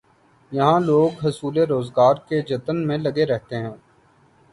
یہاں لوگ حصول روزگار کے جتن میں لگے رہتے ہیں۔